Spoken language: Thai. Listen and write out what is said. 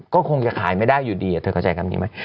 ก็คงจะขายไม่ได้อยู่ดีเธอเข้าใจคำนี้ไหม